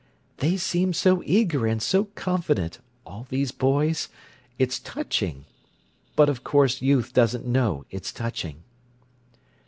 "They seem so eager and so confident, all these boys—it's touching. But of course youth doesn't know it's touching."